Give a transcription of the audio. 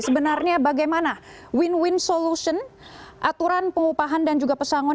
sebenarnya bagaimana win win solution aturan pengupahan dan juga pesangon